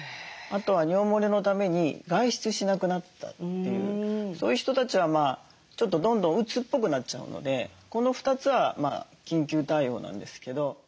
あとは尿もれのために外出しなくなったというそういう人たちはちょっとどんどんうつっぽくなっちゃうのでこの２つは緊急対応なんですけど。